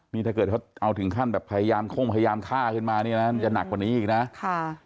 นี่ถ้าเกิดเขาเอาถึงขั้นแบบพยายามค่าขึ้นมานี่นะ